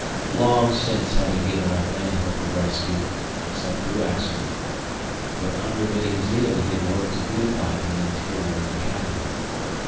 Long since had he given up any hope of rescue, except through accident. With unremitting zeal he had worked to beautify the interior of the cabin.